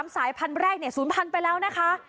๓สายพันธุ์แรกเนี่ย๐พันธุ์ไปแล้วนะคะ